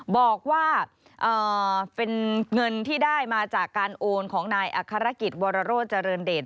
บอกว่าเป็นเงินที่ได้มาจากการโอนของนายอัครกิจวรโรเจริญเดช